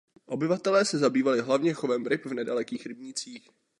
Obyvatelé se zabývali hlavně chovem ryb v nedalekých rybnících.